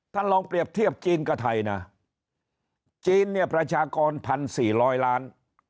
แล้วลองเกลียดเทียบจีนกาทัยนะจีนเนี่ยประชากร๑๔๐๐ล้าน